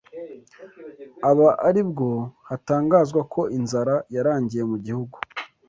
aba aribwo hatangazwa ko inzara yarangiye mu gihugu